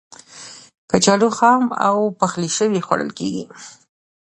کچالو خام او پخلی شوی خوړل کېږي.